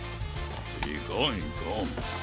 いかんいかん。